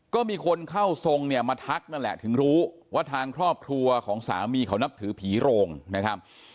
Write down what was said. ก็มีคนเข้าทรงเนี่ยมาทักนั่นแหละถึงรู้ว่าทางครอบครัวของสามีเขานับถือผีโรงนะครับ